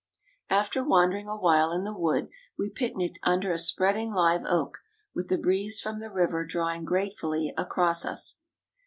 After wandering a while in the wood, we picnicked under a spreading live oak, with the breeze from the river drawing gratefully across us.